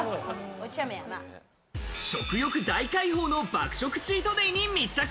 食欲大解放の爆食チートデイに密着。